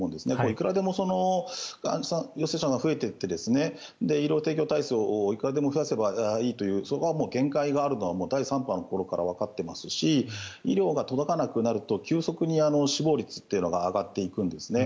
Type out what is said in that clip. いくらでも陽性者が増えていって医療提供体制をいくらでも増やせばいいというそこは限界があるのは第３波の頃からわかっていますし医療が届かなくなると急速に死亡率というのが上がっていくんですね。